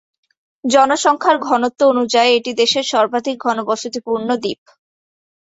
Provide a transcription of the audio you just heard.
জনসংখ্যার ঘনত্ব অনুযায়ী এটি দেশের সর্বাধিক ঘনবসতিপূর্ণ দ্বীপ।